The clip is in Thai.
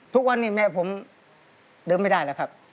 ทุกวันนี้แม่ผมเดินไม่ได้แล้วครับ